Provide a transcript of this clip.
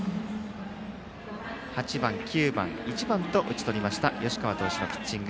８番、９番、１番と打ち取りました吉川投手のピッチング。